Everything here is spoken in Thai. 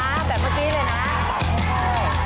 แบบเมื่อกี้เลยนะ